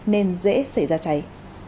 nên dễ xảy ra cháy